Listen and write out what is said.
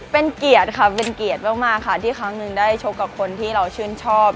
เป็นเกียรติค่ะเป็นเกียรติมากค่ะที่ครั้งหนึ่งได้ชกกับคนที่เราชื่นชอบ